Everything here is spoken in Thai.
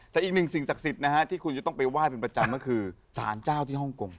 แต่อีกหนึ่งสิ่งศักดิ์สิทธิ์นะฮะที่คุณจะต้องไปไหว้เป็นประจำก็คือสารเจ้าที่ฮ่องกง